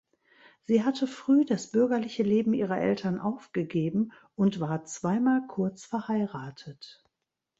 Sie hatte früh das bürgerliche Leben ihrer Eltern aufgegeben und war zweimal kurz verheiratet.